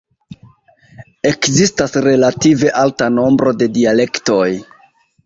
Ekzistas relative alta nombro de dialektoj.